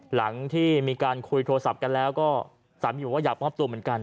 หลังที่มีการคุยโทรศัพท์กันแล้วก็สามีบอกว่าอยากมอบตัวเหมือนกัน